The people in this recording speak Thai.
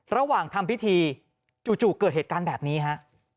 ระหว่างทำพิธีจู่เกิดเหตุการณ์แบบนี้ฮะ